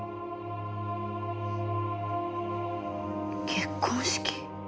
結婚式。